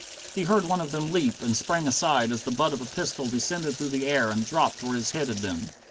He heard one of them leap, and sprang aside as the butt of a pistol descended through the air and dropped where his head had been.